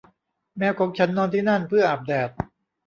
แมวของฉันนอนที่นั่น เพื่ออาบแดด